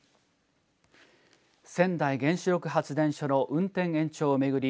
川内原子力発電所の運転延長を巡り